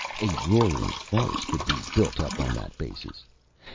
"A roaring farce could be built up on that basis.